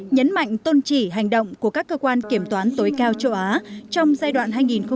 nhấn mạnh tôn chỉ hành động của các cơ quan kiểm toán tối cao châu á trong giai đoạn hai nghìn một mươi tám hai nghìn hai mươi